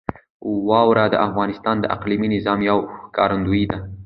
واوره د افغانستان د اقلیمي نظام یوه ښکارندوی ده.